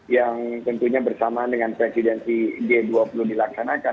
yang tentunya bersamaan dengan presidensi g dua puluh dilaksanakan